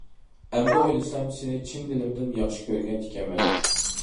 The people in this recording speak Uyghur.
ئەمدى ئويلىسام سېنى چىن دىلىمدىن ياخشى كۆرگەن ئىكەنمەن.